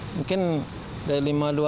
mungkin dari lima dua ratus enam puluh enam